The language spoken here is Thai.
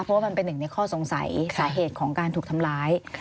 เพราะว่ามันเป็นหนึ่งในข้อสงสัยสาเหตุของการถูกทำร้าย